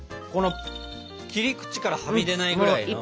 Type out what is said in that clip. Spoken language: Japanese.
この切り口からはみ出ないぐらいの。